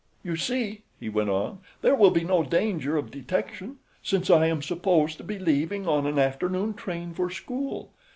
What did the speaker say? "You see," he went on, "there will be no danger of detection since I am supposed to be leaving on an afternoon train for school.